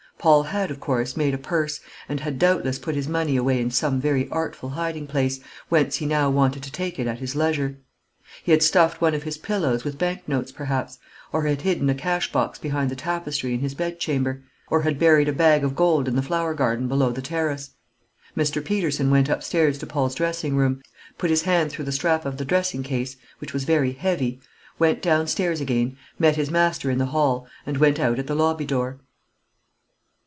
Paul had, of course, made a purse, and had doubtless put his money away in some very artful hiding place, whence he now wanted to take it at his leisure. He had stuffed one of his pillows with bank notes, perhaps; or had hidden a cash box behind the tapestry in his bedchamber; or had buried a bag of gold in the flower garden below the terrace. Mr. Peterson went upstairs to Paul's dressing room, put his hand through the strap of the dressing case, which was very heavy, went downstairs again, met his master in the hall, and went out at the lobby door.